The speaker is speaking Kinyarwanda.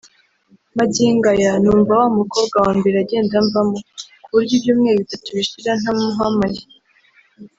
Magingo aya numva wa mukobwa wa mbere agenda amvamo kuburyo ibyumweru bitatu bishira nta muhamaye